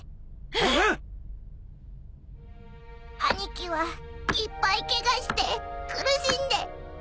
兄貴はいっぱいケガして苦しんで。